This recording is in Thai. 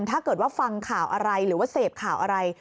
ถ้าเกิดว่าฟังข่าวอะไรหรือว่าเสพข่าวอะไร